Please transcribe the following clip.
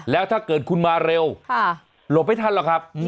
แล้วถ้าเกิดคุณมาเร็วหลบไม่ทันหรอกครับ